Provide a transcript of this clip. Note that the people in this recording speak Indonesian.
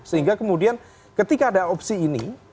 sehingga kemudian ketika ada opsi ini